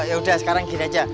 yaudah sekarang gini aja